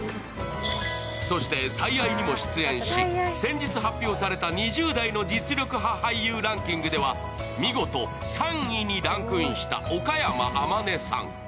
そして、「最愛」にも出演し、先日発表された２０代の実力派俳優ランキングでは見事３位にランクインした岡山天音さん。